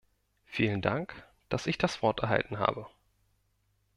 Vielen Dank, dass ich das Wort erhalten habe.